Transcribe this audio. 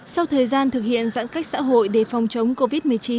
sau thời gian thực hiện giãn cách xã hội để phòng chống covid một mươi chín